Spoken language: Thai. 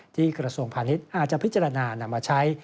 กระทรวงพาณิชย์อาจจะพิจารณานำมาใช้